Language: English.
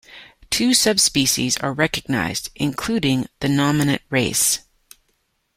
Two subspecies are recognized, including the nominate race.